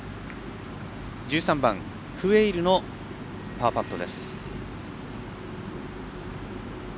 １３番クウェイルのパーパット。